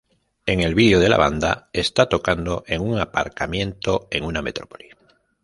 En el video de la banda está tocando en un aparcamiento en una metrópoli.